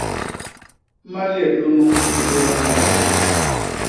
Malét nunu a mbéba ñgandak.